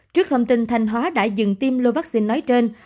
trước thông tin thanh hóa đã dừng tiêm lô vaccine nói trên